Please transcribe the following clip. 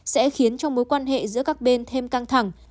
sẽ khiến cho mối quan hệ giữa các bên thêm căng thẳng